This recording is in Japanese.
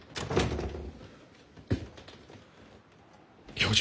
教授